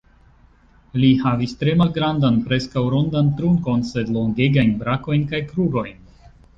Li havis tre malgrandan, preskaŭ rondan trunkon, sed longegajn brakojn kaj krurojn.